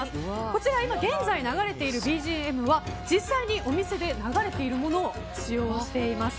こちら今、現在流れているＢＧＭは実際にお店で流れているものを使用しています。